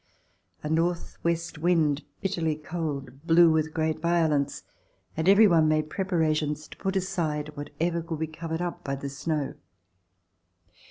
A northwest wind, bitterly cold, blew with great violence and every one made preparations to put aside whatever could be covered up by the snow.